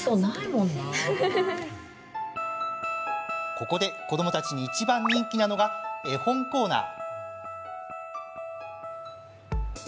ここで、子どもたちに一番人気なのが絵本コーナー。